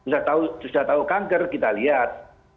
sudah tahu kanker kita lihat